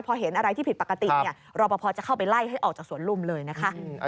พอเห็นอะไรที่ผิดปกติรอปภจะเข้าไปไล่ให้ออกจากสวนลุมเลยนะคะ